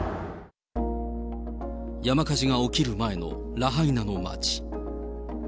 山火事が起きる前のラハイナの街。